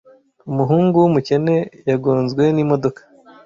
Umuhungu wumukene yagonzwe n imodoka.